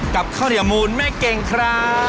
กับข้าวเหนียวมูลแม่เก่งครับ